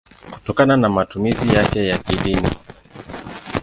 kutokana na matumizi yake ya kidini.